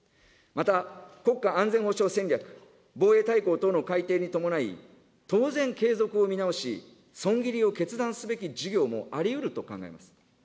また、国家安全保障戦略、防衛大綱等の改定に伴い、当然、継続を見直し、損切りを決断すべき事業もありうると考えます。